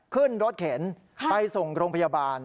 ขึ้นรถเข็นไปส่งโรงพยาบาล